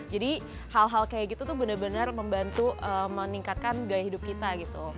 jadi hal hal kayak gitu tuh benar benar membantu meningkatkan gaya hidup kita gitu